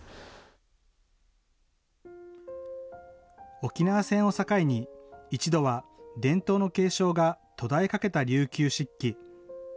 沖縄戦を境に、一度は伝統の継承が途絶えかけた琉球漆器。